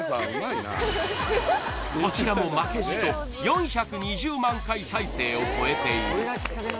こちらも負けじと４２０万回再生を超えている